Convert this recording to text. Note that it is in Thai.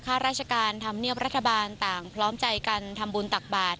ข้าราชการธรรมเนียบรัฐบาลต่างพร้อมใจกันทำบุญตักบาท